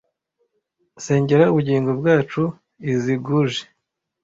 sengera ubugingo bwacu izi gouges